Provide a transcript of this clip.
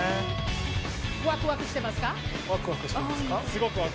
ワクワクしてますか？